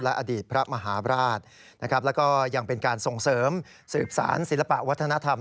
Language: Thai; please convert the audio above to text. อดีตพระมหาราชนะครับแล้วก็ยังเป็นการส่งเสริมสืบสารศิลปะวัฒนธรรม